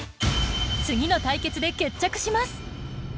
次の対決で決着します。